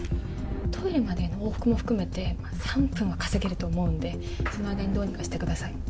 トイレまでの往復も含めて３分は稼げると思うんでその間にどうにかしてください。